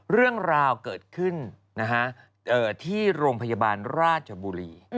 เรื่องราวเกิดขึ้นที่โรงพยาบาลราชบุรี